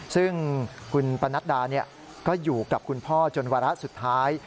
ซึ่งคุณปนัดดาก็อยู่กับคุณพ่อจนวาระสุดท้าย